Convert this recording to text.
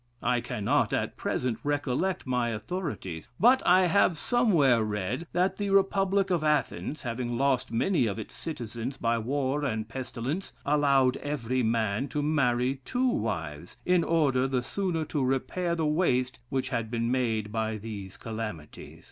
I cannot, at present, recollect my authorities; but I have somewhere read, that the Republic of Athens, having lost many of its citizens by war and pestilence, allowed every man to marry two wives, in order the sooner to repair the waste which had been made by these calamities.